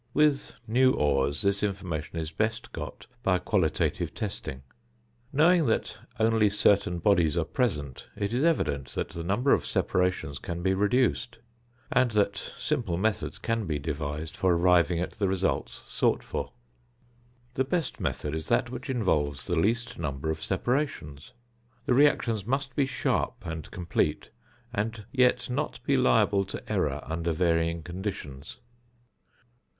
With new ores this information is best got by a qualitative testing. Knowing that only certain bodies are present, it is evident that the number of separations can be reduced, and that simple methods can be devised for arriving at the results sought for. The best method is that which involves the least number of separations. The reactions must be sharp and complete, and yet not be liable to error under varying conditions.